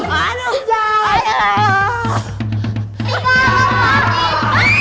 tahu aku sekarang mau kemana